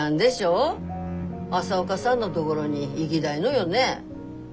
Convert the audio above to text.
朝岡さんのどごろに行ぎだいのよね？